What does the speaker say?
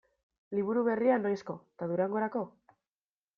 Liburu berria noizko eta Durangorako?